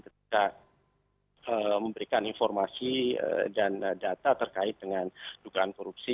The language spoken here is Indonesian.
kita memberikan informasi dan data terkait dengan tukaran korupsi